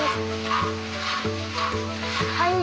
はい。